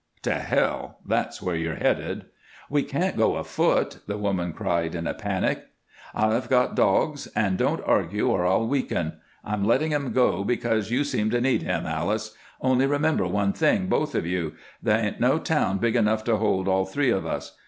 "To hell! That's where you're headed." "We can't go afoot," the woman cried in a panic. "I've got dogs! And don't argue or I'll weaken. I'm letting him go because you seem to need him, Alice. Only remember one thing, both of you there ain't no town big enough to hold all three of us.